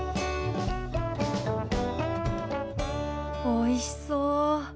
おいしそう。